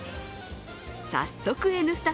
早速、「Ｎスタ